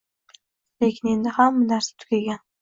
Lekin, endi hamma narsa tugugan